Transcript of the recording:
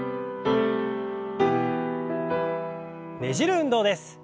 ねじる運動です。